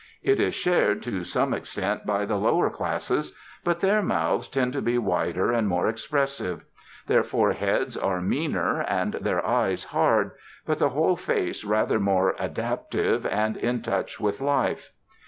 It is shared to some extent by the lower classes; but their mouths tend to be wider and more expressive. Their foreheads are meaner, and their eyes hard, but the whole face rather more adaptive and in touch with life.